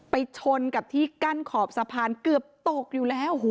ชนกับที่กั้นขอบสะพานเกือบตกอยู่แล้ว